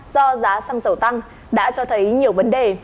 do giá xăng dầu tăng đã cho thấy nhiều vấn đề